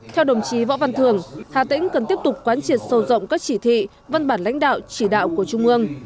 theo đồng chí võ văn thường hà tĩnh cần tiếp tục quán triệt sâu rộng các chỉ thị văn bản lãnh đạo chỉ đạo của trung ương